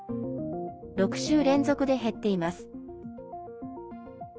６週連続で減っています。